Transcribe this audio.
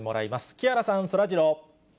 木原さん、そらジロー。